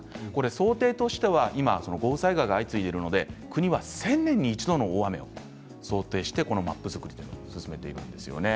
想定としては今豪雨災害が相次いでいるので国は１０００年に一度の大雨を想定してこのマップ作りを進めているんです。